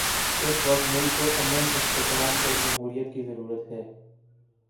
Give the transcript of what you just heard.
اس وقت ملک کو امن، استحکام اور جمہوریت کی ضرورت ہے۔